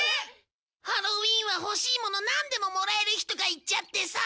ハロウィンは欲しいものなんでももらえる日とか言っちゃってさ。